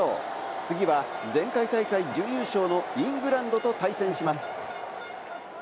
次は前回大会準優勝のイングランドと対戦します。